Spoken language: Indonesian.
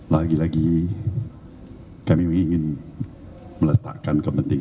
lagi lagi kami ingin meletakkan kepentingan